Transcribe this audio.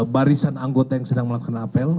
barisan anggota yang sedang melakukan apel